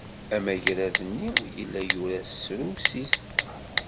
Amagrad-nni yella yura s trusit.